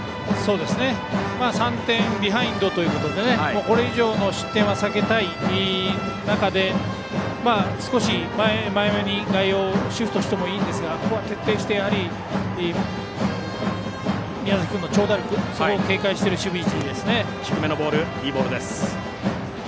３点ビハインドということでこれ以上の失点は避けたい中で少し前めに外野をシフトしてもいいんですがここは徹底して、やはり宮崎君の長打力そこを警戒している守備位置ですね。